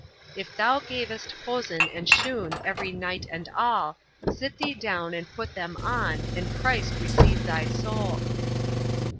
If ever thou gavest hosen and shoon Every night and all, Sit thee down and put them on, And Christ receive thy soul.